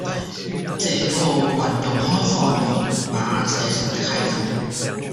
這套運用開放源碼寫成的系統